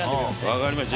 分かりました。